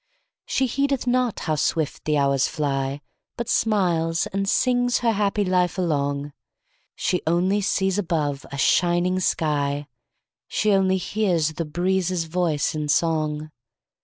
She heedeth not how swift the hours fly, But smiles and sings her happy life along; She only sees above a shining sky; She only hears the breezes' voice in song.